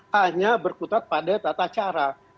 hanya berkutat pada tata cara